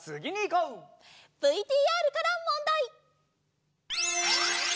ＶＴＲからもんだい！